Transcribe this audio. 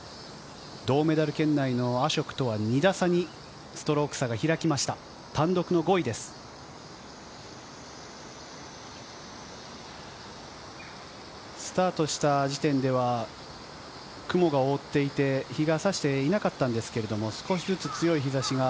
銅メダル圏内のアショクとは２打差にストローク差が開きました。